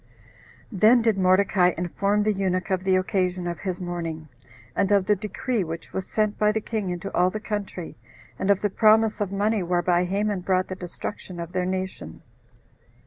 Then did Mordecai inform the eunuch of the occasion of his mourning, and of the decree which was sent by the king into all the country, and of the promise of money whereby Haman brought the destruction of their nation.